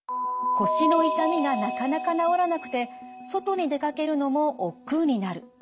腰の痛みがなかなか治らなくて外に出かけるのもおっくうになる。